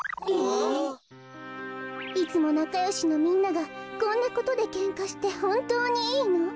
いつもなかよしのみんながこんなことでけんかしてほんとうにいいの？